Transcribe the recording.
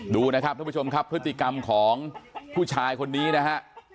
ดูนะครับท่านผู้ชมครับพฤติกรรมของผู้ชายคนนี้นะฮะ